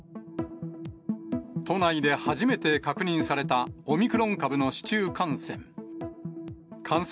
都内で初めて確認されたオミクロン株の市中感染。